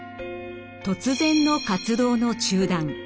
突然の活動の中断。